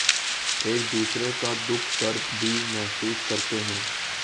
ایک دوسرے کا دکھ درد بھی محسوس کرتے ہیں